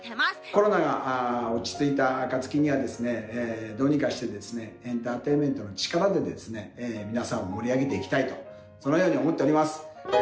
コロナが落ち着いた暁には、どうにかしてですね、エンターテインメントの力で、皆さんを盛り上げていきたいと、そのように思っております。